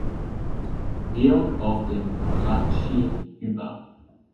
Georg auf dem Hradschin über.